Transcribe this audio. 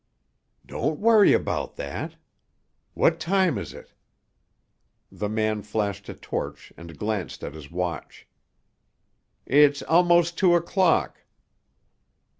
"Don't worry about that. What time is it?" The man flashed a torch and glanced at his watch. "It's almost two o'clock."